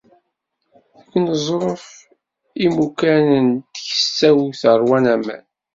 Deg uneẓruf, imukan n tkessawt ṛwan aman.